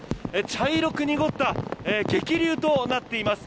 茶色く濁った激流となっています。